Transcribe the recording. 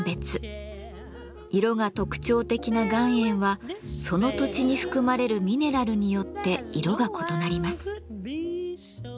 色が特徴的な岩塩はその土地に含まれるミネラルによって色が異なります。